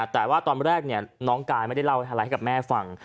แต่ว่าตอนแรกน้องกายไม่ได้เล่าอะไรให้กับแม่ฟัง